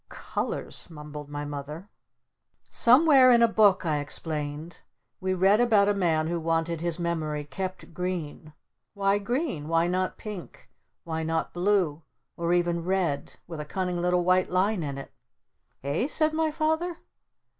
"C Colors," mumbled my Mother. "Somewhere in a book," I explained, "we read about a man who wanted his memory 'kept green?' Why green? Why not pink? Why not blue? Or even red with a cunning little white line in it?" "Eh?" said my Father.